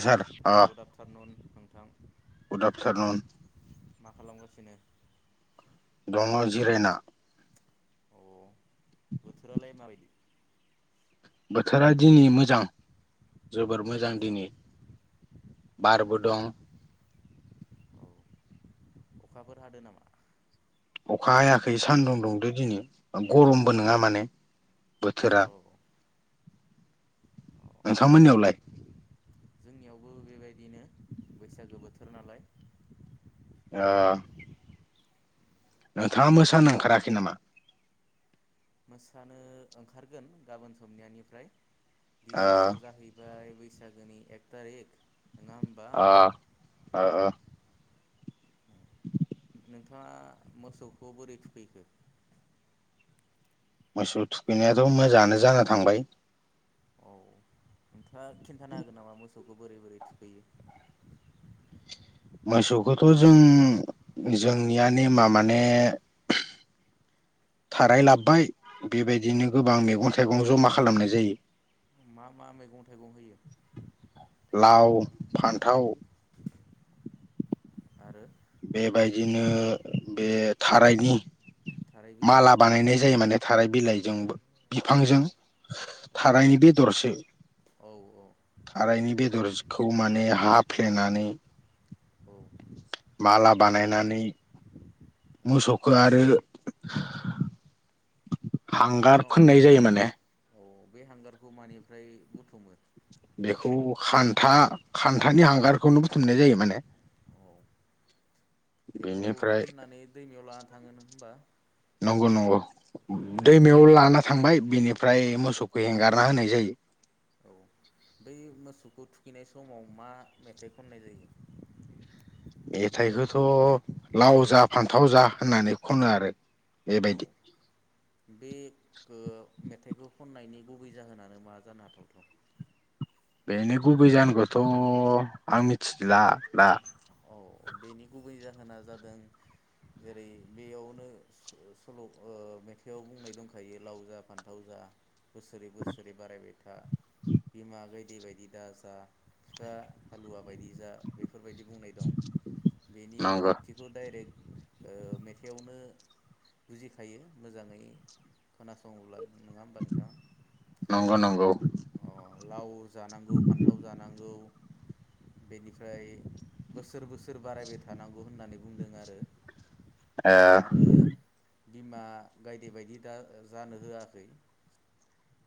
औ ह good afternoon नोंथां गुड आफ्टारन। मा खालामगासिनो? दंङ' जिरना। अ बोथोरालाय माबायदि? बोथोरा दिनै मोजां जोबोर मोजां दिनै औ बारबो दं। औ अखाफोर हादों नामा? अखा हायाखै सान्दुं दुंदो दिनै गरमबो नङा माने बोथोरा औ औ नोंथांमोननियावलाय जोंनियावबो बेबायदिनो बैसागो बोथोर नालाय [unintelligible] आ नोंथाङा मोसानो ओंखाराखै नामा मोसानो ओंखारगोन गाबोन समनियानिफ्राय ओ दिनैथ' जाहैबाय बैसागोनि एक तारिख अ अ अ नोंथाङा मोसौखौ बोरै थुखैखो मोसौ थुखैनायाथ' मोजाङानो जाना थांबाय औ नोंथाङा खिन्थानो हागोन नामा मोसौखौ बोरै बोरै थुखैयो मोसौखौथ' जों जोंनिया नेमा माने थाराय लाबबाय बेबायदिनो गोबां मेगं थाइगं गं जमा खालामनाय जायो मा मा मैगं थाइगं होयो लाव फान्थाव आरो बेबायदिनो बे थारायनि थाराय बिलाइ माला औ बानायनाय जायो माने थाराय बिलाइजोंबो औ बिफांजों औ थारायनि बेदरसो औ थारायनि बेदरखौ माने हाब फ्लेनानै औ माला बानायनानै मोसौखौ आरो हांगार मोसौनाव फोननाय जायो माने औ बे हांगारखौ मानिफ्राय बुथुमो बेखौ खान्था खान्थानि हांगारखौनो बुथुमनाय जायो माने औ बेखौ बेनिफ्राय फोननानै दैमायाव लाना थाङो नों होमबा नंगौ नंगौ अ दै दैमायाव लाना थांबाय बेनिफ्राय फ्राय मोसौखौ हेंगारना होनाय जायो औ बै मोसौखौ थुखैनाय समाव मा मेथाइ खननाय जायो मेथाइखौथ' लाव जा फान्थाव जा होननानै खनो आरो औ बेबायदि बे ओ मेथाइखौ खननायनि गुबै जाहोनानो मा जानो हाथावथाव बेनो गुबै जाहानोखौथ' आं मिथिला दा औ बेनि गुबै जाहोना जादों जेरै बेयावनो स सल' ओ मेथाइआव बुंनाय दंखायो लाव जा फान्थाव जा बोसोरै बोसोरै बारायबाय था बिमा गाय दे बायदि दा जा बिफा हालुवा बायदि जा बेफोर बुंनाय दं बेनि नंगौ ओंथिखौ डाइरेक्ट ओ मेथायावनो बुजिखायो मोजाङै खोनासङोब्ला नङा होमबा नोंथां नंगौ नंगौ अ लाव जानांगौ फान्थाव जानांगौ। बेनिफ्राय बोसोर बोसोर बारायबाय थानांगौ होननानै बुंदों आरो। ओ। आरो बिमा गायदे बायदि दा जानो होआखै।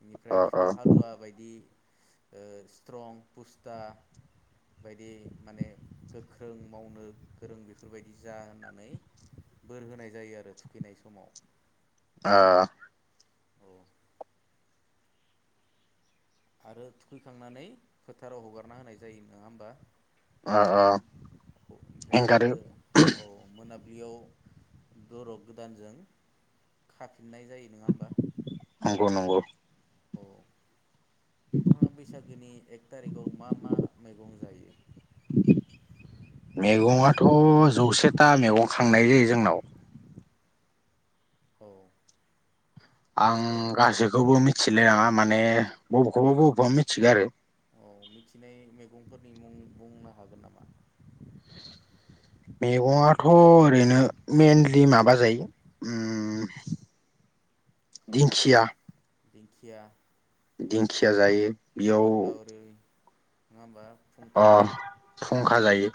बेनिफ्राय अ अ बिफा हालुवा बायदि स्ट्रं पुस्ता बायदि माने। गोख्रों मावनो गोरों बेफोरबायदि जा होननानै बोर होनाय जायो आरो थुखैनाय समाव। आ। औ आरो थुखैखांनानै फोथाराव हगारना होनाय जायो नोङा होमबा। आ एंगारो दुब्लियाव दरग गोदानजों खाफ फिन्नाय जायो नङा होमबा? नंगौ नंगौ औ। नोंथाङा बैसागोनि एक थारिखआव मा मा मैगं जायो? मैगंङाथ' जौसेता मैगं खांनाय जायो जोंनाव। औ। ओरैनो आं गासैखौबो मिथिलाय लाङा। माने बबेखौबा बबेखौबा मिथिगो आरो। औ मिथिनाय मैगंफोरनि मुं बुंनो हागोन नामा? मैगङाथ' ओरैनो मेनलि माबा जायो दिंखिया। दिंखिया। दिंखिया जायो। बेयाव जेब्ला ओरै नोङा ओमबा। अ फुंखा जायो,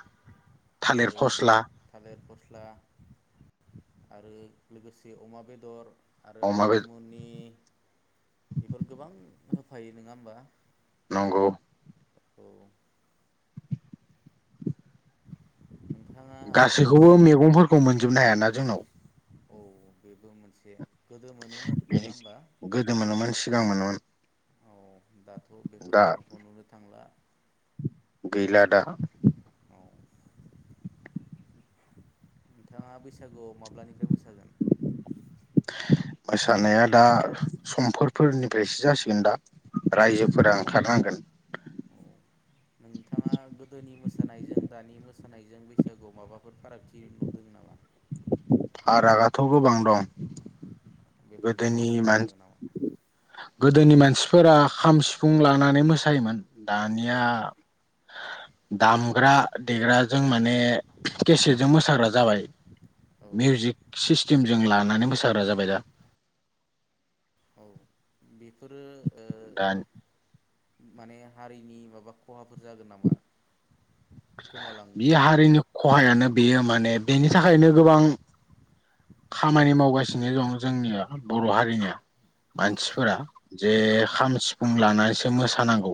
थालिर फस्ला स्ला आरो लोगोसे अमा बेदर आरो अमा बेदर मानिमुनि बेफोर गोबां। होफायो नोङा ओमबा। नंगौ। औ। [inaudible] बेस गासैखौबो मैगंफोरखौ मोन जोबनो हायाना जोंनाव। औ बेबो मोनसे गोदो मोनोमोन नोङा होमबा। मोजां मोनोमोन। औ दा बेफोर दा मैगंखौ नुनो थांला। गैला दा। औ नोंथाङा बैसागुआव माब्लानिफ्राय मोसागोन? मोसानाया दा समफोरफोरनिफ्रायसो जासिगोन दा रायजोफोरा ओंखारनांगोन। औ नोंथाङा गोदोनि मोसानायजों दानि मोसानायजों बैसागुआव माबाफोर फारागथि दि नुदों नामा? फारागआथ गोबां दं। बेफोरखौ गोदोनि बुंथिना होनो मान हागोन नामा? गोदोनि मानसिफोरा खाम सिफुं लानानै मोसायोमोन। दानिया औ दामग्रा देग्रा जों माने केसेटजों मोसाग्रा जाबाय। औ मिउजिक सिस्टेमजों लानानै मोसा साग्रा जाबाय दा। औ बेफोरो [unintelligible] माने हारिनि माबा खहाफोर जागोन नामा बे गोमालांनो हारिनि खहायानो बेयो माने बेनि थाखायनो गोबां खामानि मावगासिनो दं जोंनिया बर' हारिनिया औ मानसिफोरा। जे खाम सिफुं लानानैसो मोसानांगौ।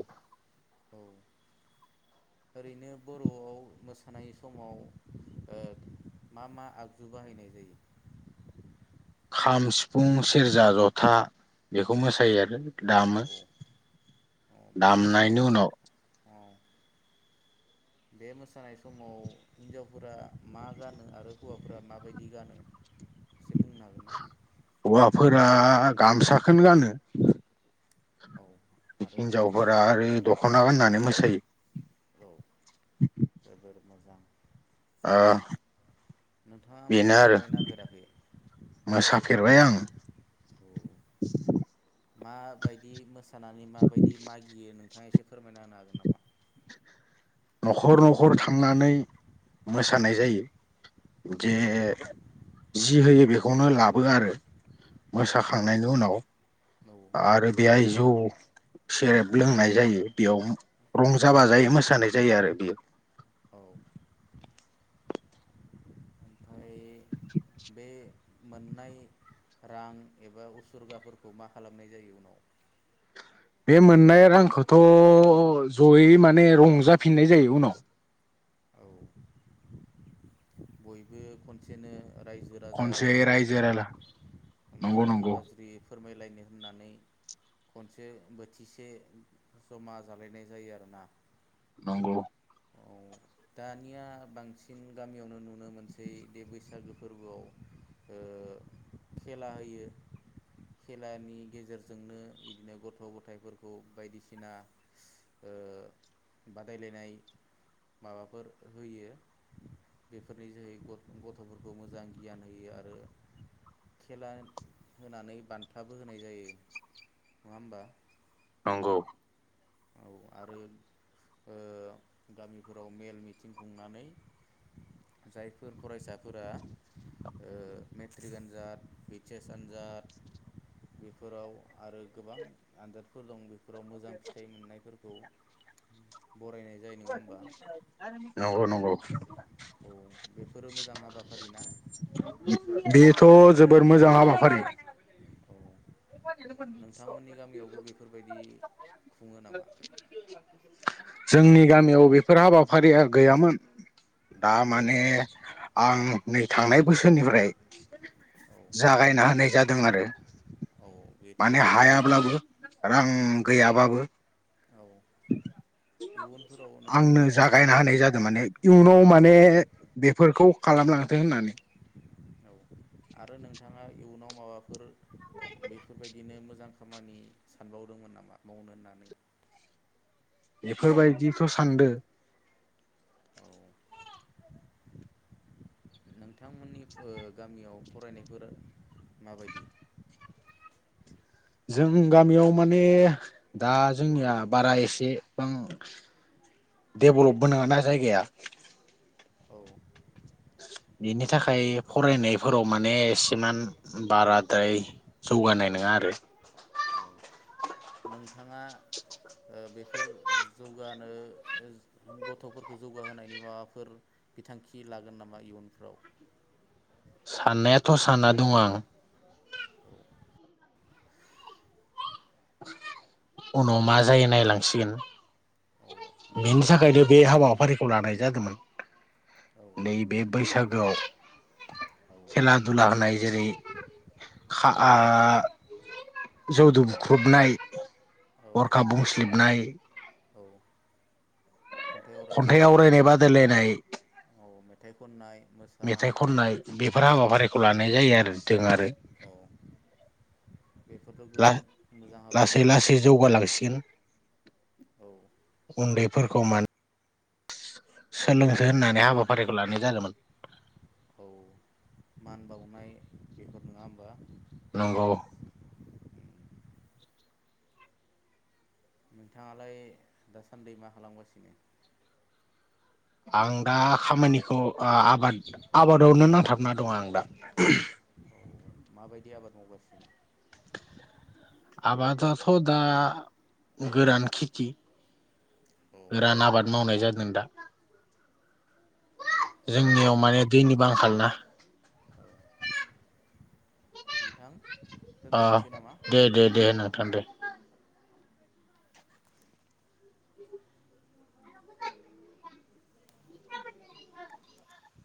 औ ओरैनो बर'आव मोसानाय समाव ओ मा मा आगजु बाहायनाय जायो? खाम सिफुं सेरजा जथा बेखौ मोसायो आरो दामो औ औ बे मोसानाय दामनायनि उनाव अ बे मोसानाय समाव हिनजावफोरा मा गानो आरो हौवाफोरा माबायदि गानो एसे बुंनो हागोन ना? हौवाफोरा गामसाखौनो गानो। औ आरो हिनजावफोरा आरो दख'ना गाननानै मोसायो। औ जोबोर मोजां। ओ नोंथाङा बेनो आरो मोसाफेरबायना फेराखै मोसाफेरबाय आं। औ माबायदि मोस सानानै माबायदि मागियो नों थाङा एसे फोरमायना होनो हागोन नामा? न'खर न'खर थांनानै मोसानाय जायो जे जि होयो बेखौनो लाबो आरो औ मोसाखांनायनि उनाव औ आरो बे जौ सेरेब लोंनाय जायो बेयाव रंजाबा औ जायो मोसानाय। जायो आरो बेयो। औ। ओमफ्राय बे मोननाय रां एबा उसुरगाफोरखौ मा खालामनाय जायो उनाव? बे मोननाय रांखौथ' जयै माने रंजाफिननाय जायो उनाव। औ। बयबो खनसेनो रायजो राजा खनसे रायजो रायला ज' नंगौ मोजां नंगौ गाज्रि फोरमायलायनो होननानै खनसे बोथिसे जमा जालायनाय जायो आरोना। नंगौ। औ दानिया बांसिन गामियावनो नुनो मोनसै बे बैसागो फोर्बोआव ओ खेला होयो। खेलानि गेजेरजोंनो बिदिनो गथ' गथाइफोरखौ बायदिसिना ओ बादायलायनाय माबाफोर होयो बेफोरनि जोहै गथ'फोरखौ मोजां गियान होयो आरो खेला होनानै बान्थाबो होनाय जायो। नङा होमबा? नंगौ। औ आरो ओ गामिफोराव मेल मिथिं खुंनानै जायफोर फरायसाफोरा ओ मेट्रिक आनजाद एच एस आनजाद बेफोराव आरो गोबां आनजादफोर दं बेफोराव मोजां मोननायफोरखौ बरायनाय जायो नङा होमबा नंगौ नंगौ। औ बेफोरो मोजां हाबाफारि ना बेथ' जोबोर मोजां हाबाफारि। औ नोंथांमोननि गामियावबो बेफोरबायदि खुङो नामा? जोंनि गामियाव बेफोर हाबाफारिया गैयामोन। दा औ माने आं नै थांनाय बोसोरनिफ्राय औ जागायना होनाय जादों आरो। औ बेथ' माने जोबोर मोजां हायाब्लाबो ओं गैयाबाबो औ इयुनफोराव आंनो नोंथाङा जागायना होनाय बेफोरबायदिनो जादों माने इयुनाव औ माने बेफोरखौ खालामलांथो होननानै। औ आरो नोंथाङा इयुनाव माबाफोर बेफोरबायदिनो मोजां खामानि सानबावदोंमोन नामा मावनो होननानै? बेफोरबायदिथ' सानदो। औ नोंथांमोननि गामियाव फरायनायफोरा माबायदि? जों गामियाव माने दा जोंनिया बारा एसेबां देभलबबो नाङाना जायगाया। औ। बेनि थाखाय फरायनायफोराव माने सिमान बाराद्राय जौगानाय नोङा आरो। औ नोंथाङा ओ बेफोर जौगानो गथ'फोरखौ जौगाहोनायनि माबाफोर बिथांखि लागोन नामा इयुनफ्राव? साननायाथ' सानना दं आं। औ। उनाव मा जायो नायलांसिगोन। औ बेनि बेखौ थाखायनो मोजां बे हाबाफारिखौ लानाय जादोंमोन ओ नैबे बैसागोआव औ खेला दुला होनाय जेरै औ खा आ जौ दुख्रुबनाय औ अरखा बुंसलिबनाय औ खन्थाइ आवरायनाय बादायलायनाय [inaudible] औ मेथाइ खननाय मेथाइ मोसानाय खननाय बेफोर हाबाफारिखौ लानाय जायो आरो जों आरो औ बेफोरथ' ला गोबां मोजां लासै हाबाफारि लासै जौगालांसिगोन औ उन्दै फोरखौ मान सोलों होननानै औ हाबाफारिखौ लानाय जादोंमोन औ मान बावनाय बेफोर नङा होमबा नंगौ नोंथाङालाय दासान्दि मा खालामगासिनो आं दा खामानिखौ ओ आबाद आबादावनो नांथाबना दं आं दा औ माबायदि आबाद मावगासिनो आबादाथ' दा गोरान खेथि औ गोरान आबाद मावनाय जा दों दा औ जोंनियाव मोजाङानो माने नोंथां दैनिबो आंखाल ना औ नोंथां अ दोनथ'नोसै नामा दे दे दे नो थान्दै